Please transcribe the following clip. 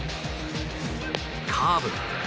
カーブ。